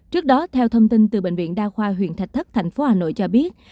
trước đó theo thông tin từ bệnh viện đa khoa huyện thạch thất thành phố hà nội cho biết